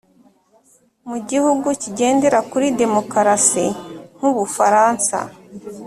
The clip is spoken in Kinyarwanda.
mu gihugu kigendera kuri demokarasi nk'u bufaransa,